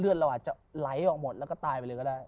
เราอาจจะไหลออกหมดแล้วก็ตายไปเลยก็ได้